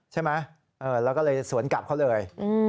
ใช่ไหมแล้วก็เลยสวนกลับเขาเลย